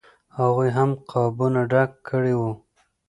هغوی هم قابونه ډک کړي وو.